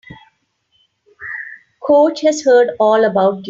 Coach has heard all about you.